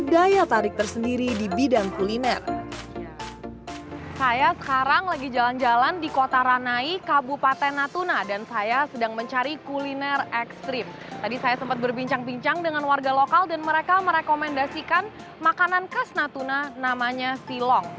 saya sekarang warga lokal dan mereka merekomendasikan makanan khas natuna namanya silong